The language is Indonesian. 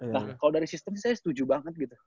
nah kalau dari sistem saya setuju banget gitu